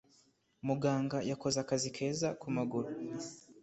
Muganga yakoze akazi keza kumaguru.